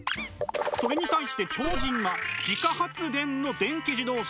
それに対して超人は自家発電の電気自動車。